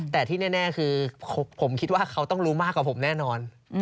แต่ที่แน่คือผมคิดว่าเขาต้องรู้มากกว่าผมแน่นอน